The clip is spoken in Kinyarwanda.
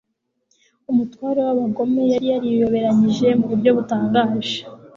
Umutware w'abagome yari yariyoberanije mu buryo butangaje